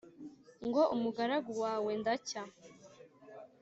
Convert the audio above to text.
Ngo umugaragu wawe ndacya